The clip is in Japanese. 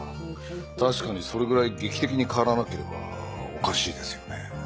確かにそれぐらい劇的に変わらなければおかしいですよね。